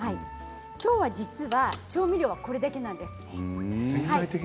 きょうは調味料はこれだけなんです。